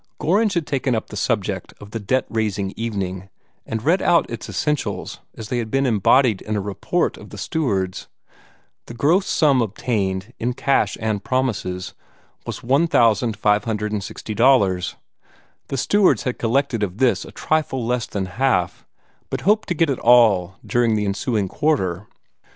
Gorringe had taken up the subject of the "debt raising" evening, and read out its essentials as they had been embodied in a report of the stewards. The gross sum obtained, in cash and promises, was $1,860. The stewards had collected of this a trifle less than half, but hoped to get it all in during the ensuing quarter.